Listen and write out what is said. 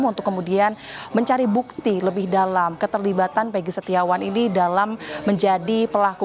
untuk kemudian mencari bukti lebih dalam keterlibatan peggy setiawan ini dalam menjadi pelaku